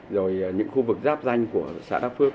rồi những khu vực rác danh của xã đà phước